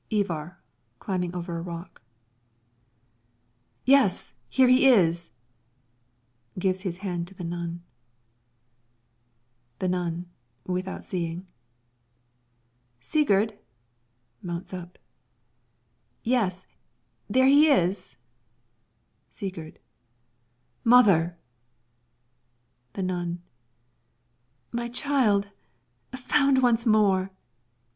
Ivar [climbing' over a rock] Yes, here he is. [Gives his hand to the nun.] The Nun [without seeing] Sigurd! [Mounts up.] Yes, there he is! Sigurd Mother! The Nun My child, found once more!